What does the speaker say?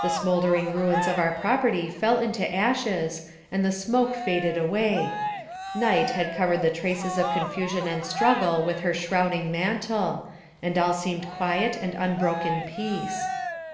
The smoldering ruins of our property fell into ashes and the smoke faded away; night had covered the traces of confusion and struggle with her shrouding mantle, and all seemed quiet and unbroken peace.